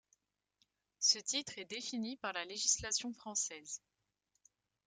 Ce titre est défini par la législation française.